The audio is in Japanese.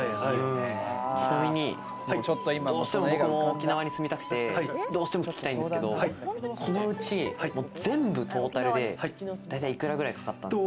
ちなみに、どうしても僕も沖縄に住みたくて、どうしても聞きたいんですけど、このうち全部トータルで大体、幾らくらいかかったんですか？